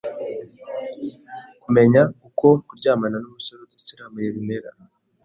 kumenya uko kuryamana n’umusore udasiramuye bimera